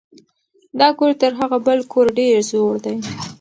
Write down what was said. دا کور تر هغه بل کور ډېر زوړ دی.